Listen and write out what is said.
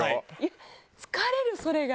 疲れるそれが。